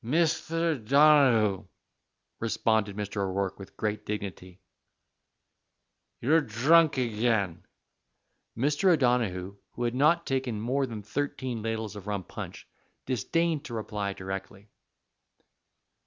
"Misther Donnehugh," responded Mr. O'Rourke with great dignity, "ye're dhrunk again." Mr. Donnehugh, who had not taken more than thirteen ladles of rum punch, disdained to reply directly.